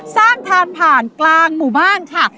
สร้างทางผ่านกลางหมู่บ้านค่ะ